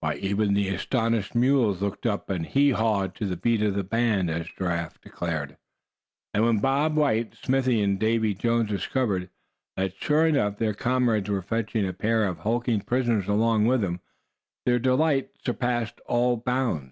Why, even the astonished mules looked up and "hee hawed to beat the band," as Giraffe declared. And when Bob White, Smithy and Davy Jones discovered that sure enough their comrades were fetching a pair of hulking prisoners along with them, their delight surpassed all bounds.